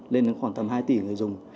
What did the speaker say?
lên đến khoảng tầm hai tỷ người dùng